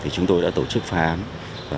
chúng tôi đã tổ chức phá án và bắt đầu phá án